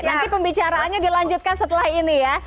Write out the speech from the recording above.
nanti pembicaraannya dilanjutkan setelah ini ya